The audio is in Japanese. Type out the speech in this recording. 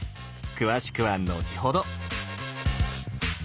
詳しくは後ほど！